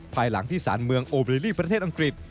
ภายหลังที่สารเมืองโอบรีลี่ประเทศอังกฤษ